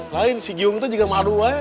lain si giung itu juga maru ya